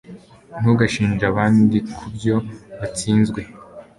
Ntugashinje abandi kubyo watsinzwe